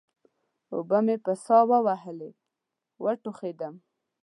اوبه مې په سا ووهلې؛ وټوخېدم.